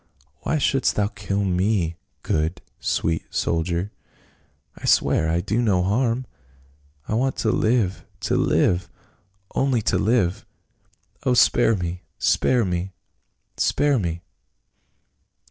" Why shouldst thou kill me, good, sweet soldier ? I swear I do no harm ! I want to live — ^to live — only to live ! Oh, spare me — spare me — spare me